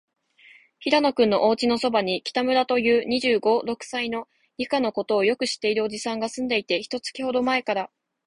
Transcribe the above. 平野君のおうちのそばに、北村という、二十五、六歳の、理科のことをよく知っているおじさんがすんでいて、一月ほどまえから、